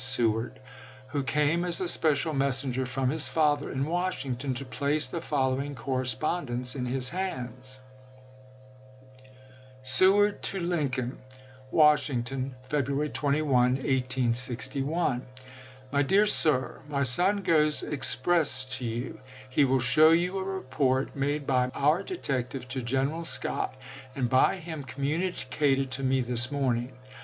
Seward, who came as a special messenger from his father in Washington, to place the following correspond ence in his hands : [Seward to Lincoln.] Washington, February 21, 1861. My Dear Sir : My son goes express to you. He will show you a report made by our detective to General Scott, and by him communicated to me this morning.